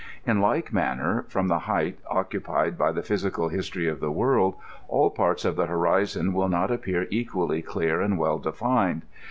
In like manner, from the height occupied by the phys ical history of the world, all parts of the horizon will not ap pear equally clear and well defined.